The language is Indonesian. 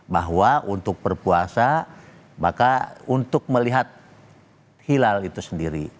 bahwa untuk berpuasa maka untuk melihat hilal itu sendiri